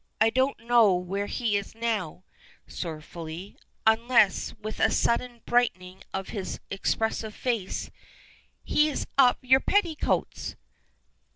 I don't know where he is now" sorrowfully "unless," with a sudden brightening of his expressive face, "he is up your petticoats."